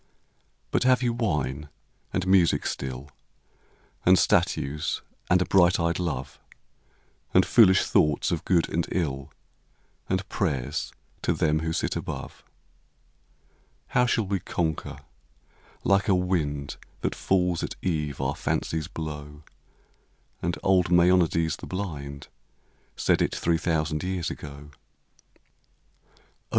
But have you wine and music still, And statues and a bright eyed love, And foolish thoughts of good and ill, And prayers to them who sit above ? How shall we conquer ? Like a wind That falls at eve our fancies blow, v*iA j. And old Maeonides the blind Said it three thousand years ago.